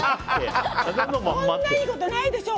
こんないいことないでしょ！